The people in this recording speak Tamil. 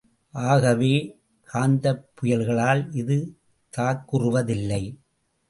ஆகவே, காந்தப்புயல்களால் இது தாக்குறுவதில்லை.